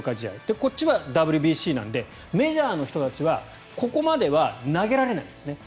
こっちはＷＢＣなのでメジャーの人たちはここまでは投げられないんですね。